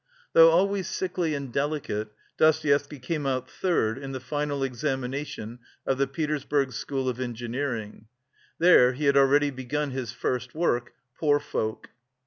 Though always sickly and delicate Dostoevsky came out third in the final examination of the Petersburg school of Engineering. There he had already begun his first work, "Poor Folk."